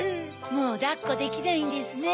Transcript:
もうだっこできないんですね。